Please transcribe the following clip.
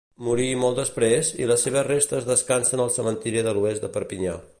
Morí molt després, i les seves restes descansen al cementiri de l'Oest de Perpinyà.